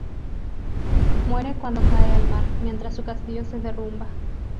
Muere cuando cae al mar, mientras su castillo se derrumba.